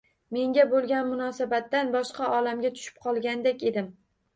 Menga boʻlgan munosabatdan boshqa olamga tushib qolgandek edim